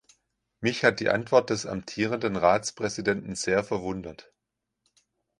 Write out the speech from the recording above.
Mich hat die Antwort des amtierenden Ratspräsidenten sehr verwundert.